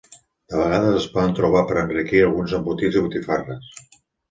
De vegades es poden trobar per a enriquir alguns embotits i botifarres.